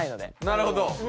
なるほど。